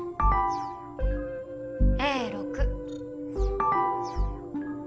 Ａ６。